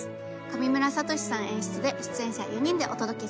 上村聡史さん演出で出演者４人でお届けします。